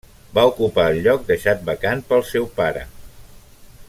Va ocupar el lloc deixat vacant pel seu pare.